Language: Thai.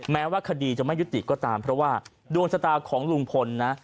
แม้ว่าคดีจะไม่ยุติก็ตามเพราะว่าดวงชะตาของลุงพลนะ